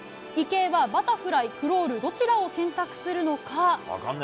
池江はバタフライ、クロールどちらを選択するのか。